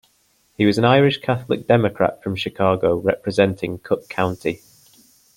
He was an Irish Catholic Democrat from Chicago, representing Cook County.